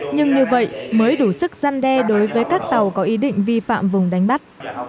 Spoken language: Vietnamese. nhưng như vậy mới đủ sức gian đe đối với các tàu có ý định vi phạm vùng đánh bắt